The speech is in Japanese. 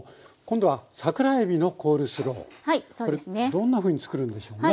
どんなふうに作るんでしょうね。